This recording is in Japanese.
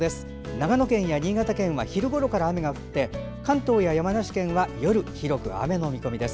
長野県や新潟県は昼ごろから雨が降って関東や山梨県は夜、広く雨の見込みです。